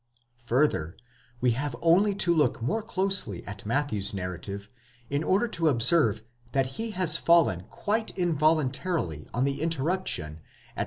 Further, we have only to look more closely at Matthew's narrative, in order to observe that he has fallen quite involuntarily on the interruption at v.